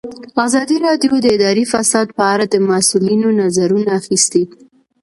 ازادي راډیو د اداري فساد په اړه د مسؤلینو نظرونه اخیستي.